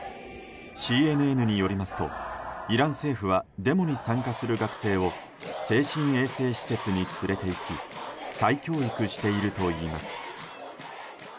ＣＮＮによりますとイラン政府はデモに参加する学生を精神衛生施設に連れていき再教育しているといいます。